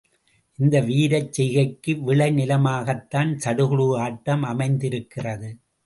இந்த வீரச் செய்கைக்கு விளை நிலமாகத்தான் சடுகுடு ஆட்டம் அமைந்திருக்கிறது.